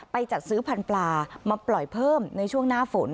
จัดซื้อพันธุปลามาปล่อยเพิ่มในช่วงหน้าฝน